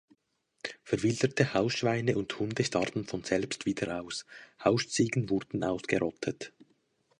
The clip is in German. Verwilderte Hausschweine und Hunde starben von selbst wieder aus, Hausziegen wurden ausgerottet.